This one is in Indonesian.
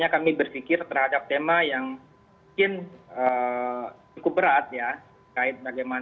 dan kami juga memiliki pengetahuan terkait tema riset yang kita lakukan